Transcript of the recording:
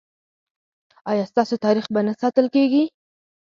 ایا ستاسو تاریخ به نه ساتل کیږي؟